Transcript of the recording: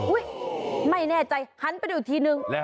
ไม่แน่ใจหันไปดูอีกทีนึง